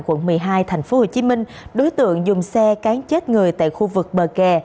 quận một mươi hai tp hcm đối tượng dùng xe cán chết người tại khu vực bờ kè